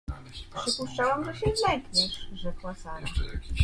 — Przypuszczałam, że się zlękniesz — rzekła Sara.